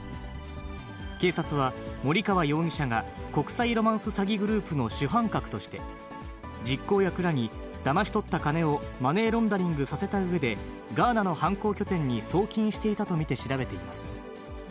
警察は、森川容疑者が国際ロマンス詐欺グループの主犯格として、実行役らにだまし取った金をマネーロンダリングさせたうえで、ガーナの犯行拠点に送金していたと見て調べています。